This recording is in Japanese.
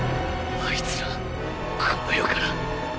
あいつらこの世から。